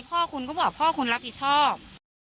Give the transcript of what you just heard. พ่อคุณก็บอกพ่อคุณรับผิดชอบ